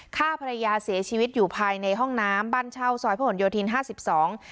ฆ่าภรรยาเสียชีวิตอยู่ภายในห้องน้ำบ้านเช่าซอยพระหลโยธินห้าสิบสอง